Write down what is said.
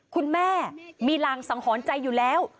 คุณแม่มีรางสังหรณ์ใจอยู่แล้ว